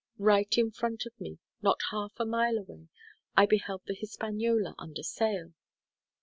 Right in front of me, not half a mile away, I beheld the Hispaniola under sail.